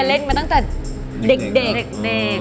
เล่นมาตั้งแต่เด็ก